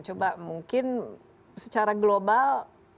coba mungkin secara global